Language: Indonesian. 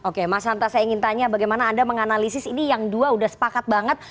oke mas santa saya ingin tanya bagaimana anda menganalisis ini yang dua udah sepakat banget